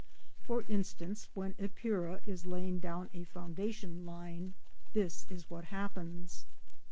For instance, when Epeira is laying down a foundation line, this is what happens.